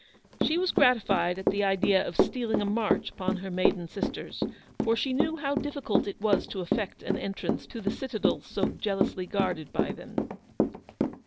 She was gratified at the idea of stealing a march upon her maiden sisters, for she knew how diffi cult it was to effect an entrance to the citadel so jealously guarded by them.